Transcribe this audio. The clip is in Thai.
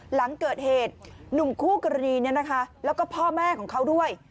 หลังเกิดเหตุหนุ่มคู่กรณีแล้วก็พ่อแม่ของเขาด้วย